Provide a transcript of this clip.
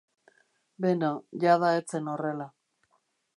Beno, jada ez zen horrela.